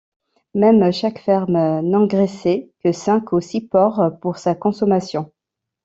Même chaque ferme n’engraissait que cinq ou six porcs, pour sa consommation.